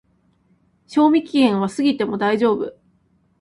賞味期限は過ぎても大丈夫